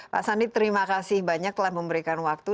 pak sandi terima kasih banyak telah memberikan waktu